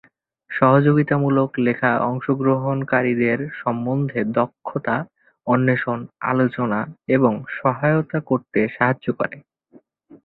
সহযোগিতামূলক লেখা অংশগ্রহণকারীদের সন্ধানের দক্ষতা অন্বেষণ, আলোচনা এবং সহায়তা করতে সাহায্য করে।